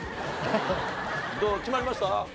どう決まりました？